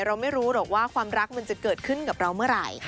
เราไม่รู้หรอกว่าความรักมันจะเกิดขึ้นกับเราเมื่อไหร่